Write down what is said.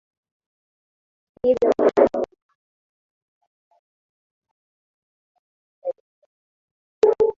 Hivyo kuna kipengele mia mbili arobaini na sita katika mkataba wa Versailles